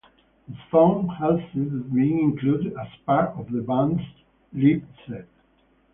The song has since been included as part of the band's live set.